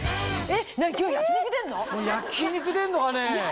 焼肉出るのかね？